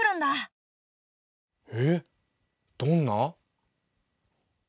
えどんな？